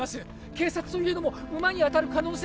警察といえども馬に当たる可能性があるなら